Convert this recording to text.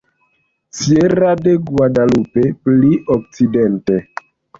Sierra de Guadalupe: pli okcidente.